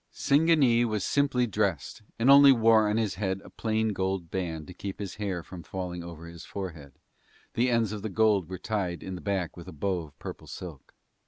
Singanee was simply dressed and only wore on his head a plain gold band to keep his hair from falling over his forehead, the ends of the gold were tied in the back with a bow of purple silk.